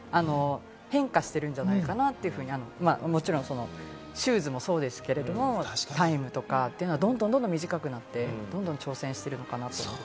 変化しているんじゃないかなというふうに、もちろんシューズもそうですけれど、タイムとかというのはどんどん短くなって、どんどん挑戦しているのかなって。